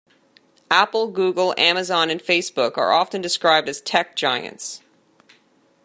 Apple, Google, Amazon and Facebook are often described as tech giants.